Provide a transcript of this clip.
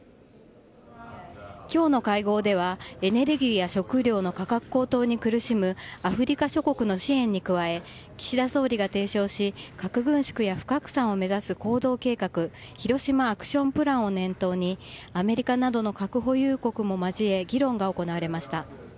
きょうの会合では、エネルギーや食料の価格高騰に苦しむアフリカ諸国の支援に加え、岸田総理が提唱し、核軍縮や不拡散を目指す行動計画、ヒロシマ・アクション・プランを念頭に、アメリカなどの核保有国も交え、議論が行われました。